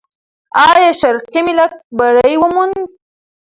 آیا شرقي ملت بری وموند؟